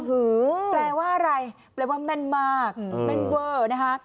แปลว่าอะไรแปลว่าแม่นมากแม่นเวอร์นะคะ